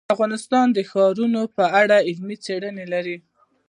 افغانستان د ښارونه په اړه علمي څېړنې لري.